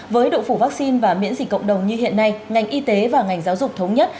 với độ phủ vaccine và miễn dịch cộng đồng như hiện nay ngành y tế và ngành giáo dục thống nhất